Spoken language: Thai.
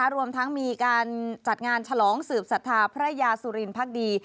รวมทั้งมีการจัดงานฉะลองสูตรภัยาสุรินตร์พระดี